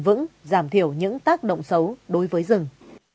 vẫn giảm thiểu những tác động xấu đối với rừng